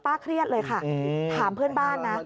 เครียดเลยค่ะถามเพื่อนบ้านนะ